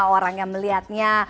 orang yang melihatnya